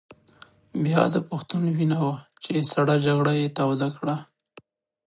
بیا د پښتون وینه وه چې سړه جګړه یې توده کړه.